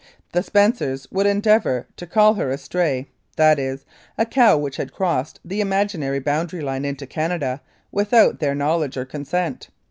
The Spencers would endeavour to call her a stray that is, a cow which had crossed the imaginary boundary line into Canada without their knowledge or consent.